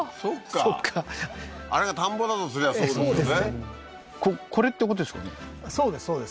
そっかあれが田んぼだとすりゃそうですよね